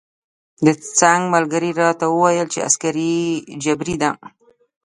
د څنګ ملګري راته وویل چې عسکري جبری ده.